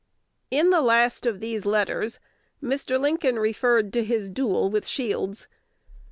In the last of these letters, Mr. Lincoln refers to his "duel with Shields."